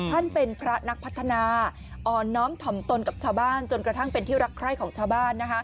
ท่านเป็นพระนักพัฒนาอ่อนน้อมถ่อมตนกับชาวบ้านจนกระทั่งเป็นที่รักใคร่ของชาวบ้าน